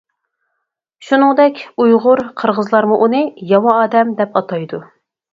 شۇنىڭدەك ئۇيغۇر، قىرغىزلارمۇ ئۇنى «ياۋا ئادەم» دەپ ئاتايدۇ.